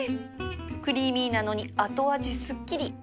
クリーミーなのに後味すっきり